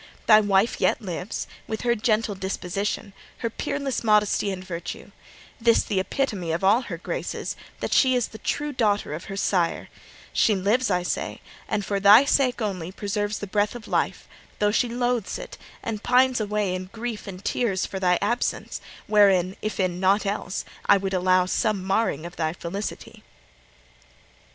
Thy wife yet lives, with her gentle disposition, her peerless modesty and virtue this the epitome of all her graces, that she is the true daughter of her sire she lives, I say, and for thy sake only preserves the breath of life, though she loathes it, and pines away in grief and tears for thy absence, wherein, if in naught else, I would allow some marring of thy felicity.